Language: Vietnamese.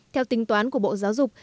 theo tính toán của bộ giáo dục